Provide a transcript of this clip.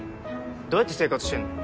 どうやって生活してんの？